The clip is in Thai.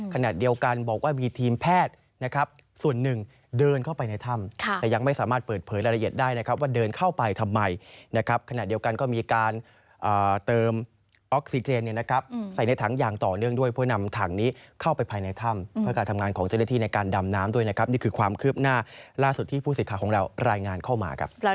ขณะเดียวกันก็มีการเติมออกซิเจนเนี่ยนะครับใส่ในถังอย่างต่อเนื่องด้วยเพื่อนำถังนี้เข้าไปภายในถ้ำเพื่อการทำงานของเจริธีในการดำน้ำด้วยนะครับนี่คือความคืบหน้าล่าสุดที่ผู้ศิษย์ขาของเรารายงานเข้ามาครับ